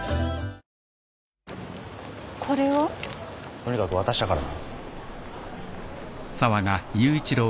とにかく渡したからな。